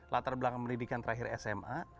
latar belakang pendidikan terakhir sma